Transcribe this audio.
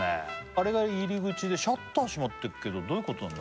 あれが入り口でシャッター閉まってっけどどういうことなの？